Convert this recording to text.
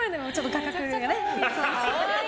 画角がね。